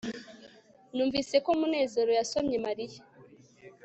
numvise ko munezero yasomye mariya